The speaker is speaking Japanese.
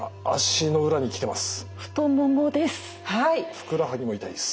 ふくらはぎも痛いです。